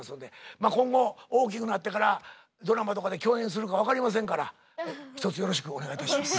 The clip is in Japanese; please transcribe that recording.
まあ今後大きくなってからドラマとかで共演するか分かりませんからひとつよろしくお願いいたします。